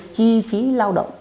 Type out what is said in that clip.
chi phí lao động